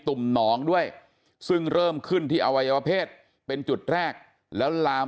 ุ่มหนองด้วยซึ่งเริ่มขึ้นที่อวัยวเพศเป็นจุดแรกแล้วลาม